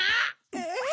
えっ？